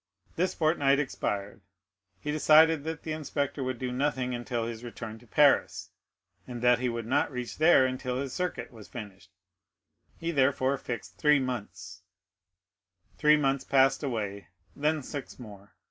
This fortnight expired, he decided that the inspector would do nothing until his return to Paris, and that he would not reach there until his circuit was finished, he therefore fixed three months; three months passed away, then six more.